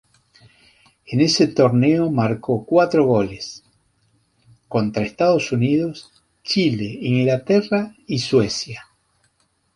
En ese torneo marcó cuatro goles, contra Estados Unidos, Chile, Inglaterra y Suecia.